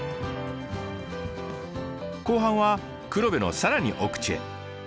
後半は黒部の更に奥地へ。